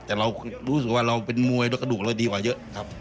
แต่เรารู้สึกว่าเราเป็นมวยด้วยกระดูกเราดีกว่าเยอะครับ